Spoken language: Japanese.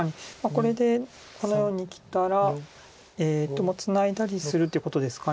これでこのようにきたらもうツナいだりするってことですか。